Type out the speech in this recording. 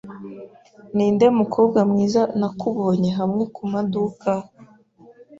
Ninde mukobwa mwiza nakubonye hamwe kumaduka?